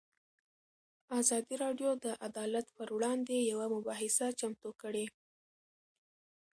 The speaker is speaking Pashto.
ازادي راډیو د عدالت پر وړاندې یوه مباحثه چمتو کړې.